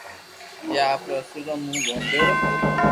جي آپرو اسولو مون ٻوديوڙو